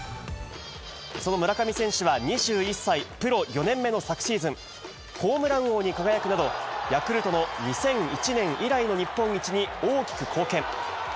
その村上選手は２１歳プロ４年目の昨シーズン、ホームラン王に輝くなど、ヤクルトの２００１年以来の日本一に大きく貢献。